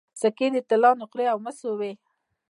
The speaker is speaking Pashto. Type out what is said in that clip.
سکې د طلا نقرې او مسو وې